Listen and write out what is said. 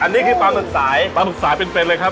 อันนี้คือปลาหมึกสายปลาหมึกสายเป็นเป็นเลยครับ